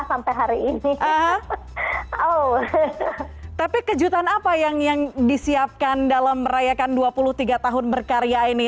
sampai hari ini oh tapi kejutan apa yang yang disiapkan dalam merayakan dua puluh tiga tahun berkarya ini